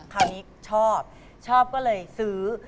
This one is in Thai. คราวนี้ชอบชอบก็เลยซื้อ